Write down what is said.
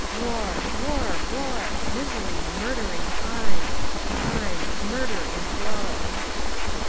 "War, war, war! Misery, murder, and crime; Crime, murder, and woe."